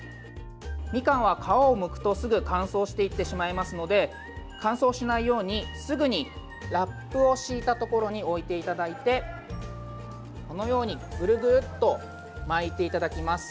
みかんは皮をむくと、すぐ乾燥していってしまいますので乾燥しないようにすぐにラップを敷いたところに置いていただいてこのようにぐるぐると巻いていただきます。